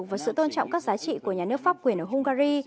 và sự tôn trọng các giá trị của nhà nước pháp quyền ở hungary